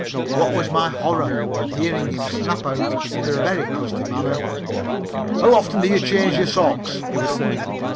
What was my horror on hearing him snap out in a very crusty manner: "How often do you change your socks?"